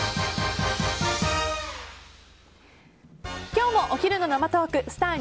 今日もお昼の生トークスター☆